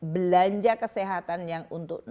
belanja kesehatan yang untuk